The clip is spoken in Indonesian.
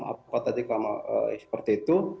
apa tadi kalam seperti itu